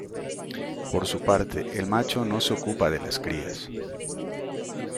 Por su parte el macho no se ocupa de las crías.